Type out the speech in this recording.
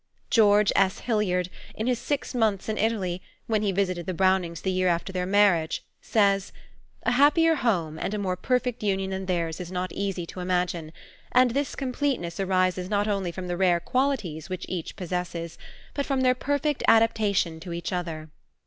George S. Hillard, in his Six Months in Italy, when he visited the Brownings the year after their marriage, says, "A happier home and a more perfect union than theirs it is not easy to imagine; and this completeness arises not only from the rare qualities which each possesses, but from their perfect adaptation to each other....